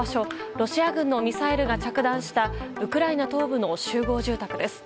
ロシア軍のミサイルが着弾したウクライナ東部の集合住宅です。